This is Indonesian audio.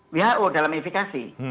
who dalam infekasi